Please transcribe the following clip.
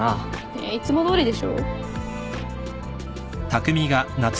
えっいつもどおりでしょ。